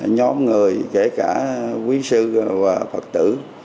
nhóm người kể cả quý sư và phật tử